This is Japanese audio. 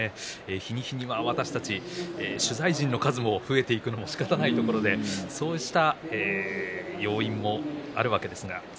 日に日に私たち取材陣の数が増えていくのもしかたないところでそういう要因があるわけですけれども。